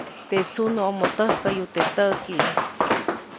Teʼ tsunuʼomo täjkäyu teʼ täʼki.